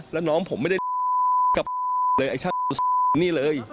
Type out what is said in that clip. แล้วน้องผมไม่ได้กลับเลยไอ้ชักนี่เลย